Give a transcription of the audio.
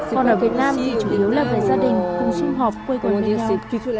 còn ở việt nam thì chủ yếu là về gia đình cùng xung họp quây gọi với nhau